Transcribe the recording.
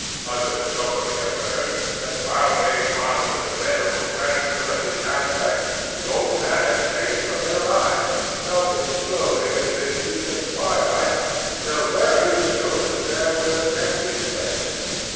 Others soberly affirmed that while they marvelled at the venerable grandeur of his aspect the old man had faded from their eyes, melting slowly into the hues of twilight, till where he stood there was an empty space.